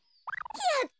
やった！